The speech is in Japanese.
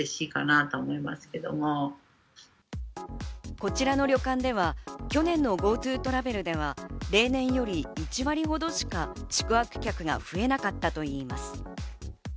こちらの旅館では去年のＧｏＴｏトラベルでは例年より１割ほどしか宿泊客が増えなかったといいます。